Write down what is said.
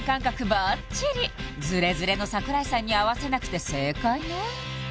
バッチリズレズレの櫻井さんに合わせなくて正解ね